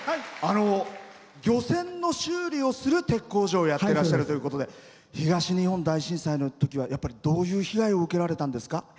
漁船の修理をする鉄工所をやっていらっしゃるということで東日本大震災のときはやっぱりどういう被害を受けられたんですか？